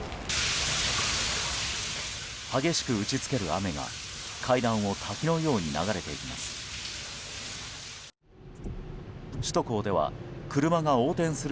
激しく打ち付ける雨が階段を滝のように流れていきます。